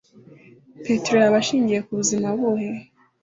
Petero yaba ashingiye kubuzima buhe